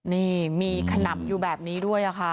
นี่มีขนำอยู่แบบนี้ด้วยค่ะ